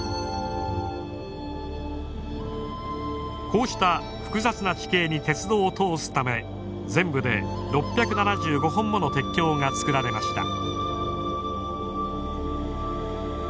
こうした複雑な地形に鉄道を通すため全部で６７５本もの鉄橋が造られました。